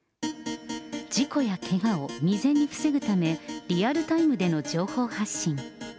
事故やけがを未然に防ぐため、リアルタイムでの情報発信。